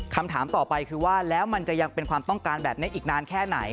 คำถามต่อไปคือว่าแล้วมันจะยังเป็นความต้องการแบบนี้อีกนานแค่ไหน